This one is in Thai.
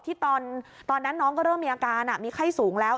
ที่ตอนนั้นน้องก็เริ่มมีอาการมีไข้สูงแล้ว